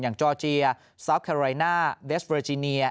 อย่างจอร์เจียซาวท์แคลอร์ไลน่าเวสเวอร์จีเนีย